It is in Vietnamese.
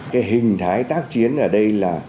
cái hình thái tác chiến ở đây là